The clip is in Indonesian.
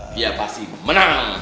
dia pasti menang